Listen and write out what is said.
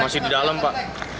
masih di dalam pak